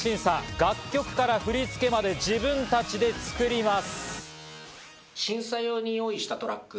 楽曲から振り付けまで自分たちで作ります。